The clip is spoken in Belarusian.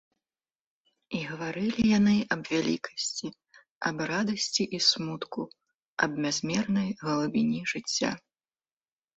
І гаварылі яны аб вялікасці, аб радасці і смутку, аб бязмернай глыбіні жыцця.